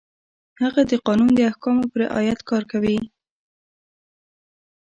هغه د قانون د احکامو په رعایت کار کوي.